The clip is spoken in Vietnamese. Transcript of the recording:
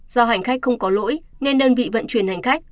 do hành khách không có lỗi nên đơn vị vận chuyển hành khách